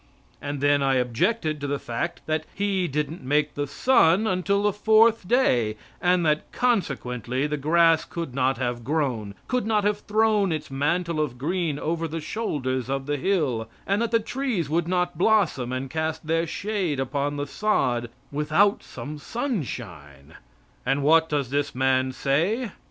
And then I objected to the fact that He didn't make the sun until the fourth day, and that, consequently, the grass could not have grown could not have thrown its mantle of green over the shoulders of the hill and that the trees would not blossom and cast their shade upon the sod without some sunshine; and what does this man say?